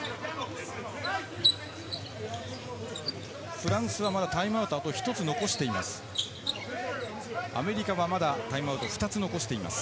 フランスはまだタイムアウトあと１つ残しています。